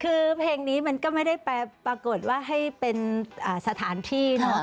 คือเพลงนี้มันก็ไม่ได้ไปปรากฏว่าให้เป็นสถานที่เนอะ